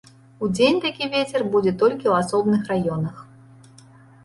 Удзень такі вецер будзе толькі ў асобных раёнах.